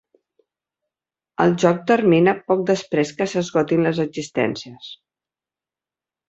Els joc termina poc després que s'esgotin les existències.